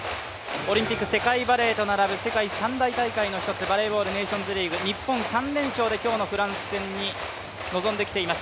オリンピック、世界バレーと並ぶ世界３大大会の一つバレーボールネーションズリーグ日本３連勝で今日のフランス戦に臨んできています。